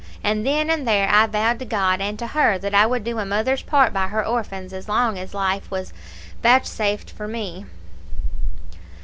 And then and there I vowed to God and to her that I would do a mother's part by her orphans as long as life was vouchsafed to me.